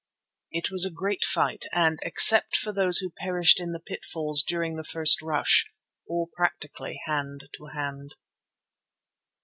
It was a great fight and, except for those who perished in the pitfalls during the first rush, all practically hand to hand.